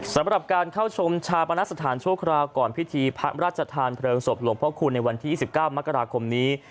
สำหรับการเข้าชมชาปนสถานชั่วคราวก่อนพิธีพระราชทานเพลิงศพหลวงพ่อคูณในวันที่๒๙มกราคมนี้